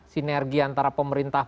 sinergi antara pemerintah